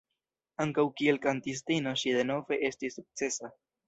Ankaŭ kiel kantistino ŝi denove estis sukcesa.